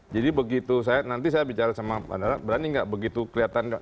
jadi begitu saya nanti saya bicara sama bandara berani nggak begitu kelihatan